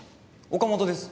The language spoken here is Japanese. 岡本です。